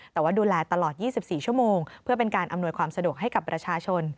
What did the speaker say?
แต่ว่าดูแลตลอด๒๔ชั่วโมงเพื่อเป็นการอำนวยความสะดวกให้กับประชาชน